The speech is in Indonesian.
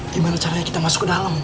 gimana caranya kita masuk ke dalam